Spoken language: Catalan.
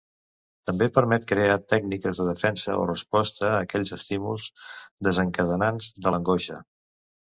També, permet crear tècniques de defensa o resposta aquells estímuls desencadenants de l'angoixa.